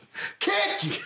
ケーキ！